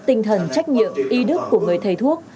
tinh thần trách nhiệm y đức của người thầy thuốc